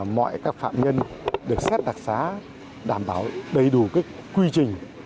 mọi các phạm nhân được xét đặc xá đảm bảo đầy đủ quy trình